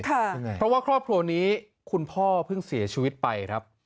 เพราะว่าครอบครัวนี้คุณพ่อเพิ่งเสียชีวิตไป